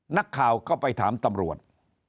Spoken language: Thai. นักข่าวก็ไปถามตำรวจ